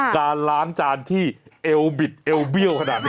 การล้างจานที่เอวบิดเอวเบี้ยวขนาดนี้